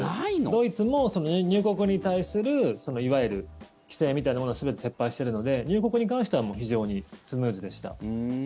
ドイツも入国に対するいわゆる規制みたいなものは全て撤廃しているので入国に関してはもう非常にスムーズでした。